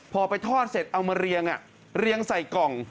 พอไปทอดเสร็จเอามาเรียงเรียงใส่กล่อง